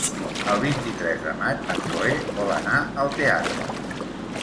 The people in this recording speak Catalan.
El vint-i-tres de maig na Cloè vol anar al teatre.